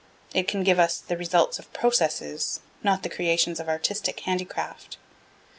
It can give us 'the results of processes, not the creations of artistic handicraft.'